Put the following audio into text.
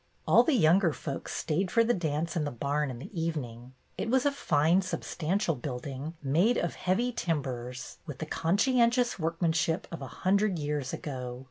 All the younger folks stayed for the dance in the barn in the evening. It was a fine, sub stantial building, made of heavy timbers, with the conscientious workmanship of a hundred years ago.